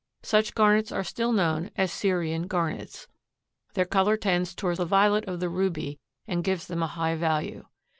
Such garnets are still known as "Sirian" garnets. Their color tends toward the violet of the ruby and gives them a high value.